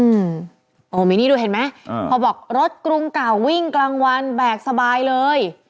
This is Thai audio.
อืมโอ้มีนี่ดูเห็นไหมอ่าพอบอกรถกรุงเก่าวิ่งกลางวันแบกสบายเลย